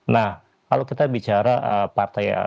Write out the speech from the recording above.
nah kalau kita bicara partai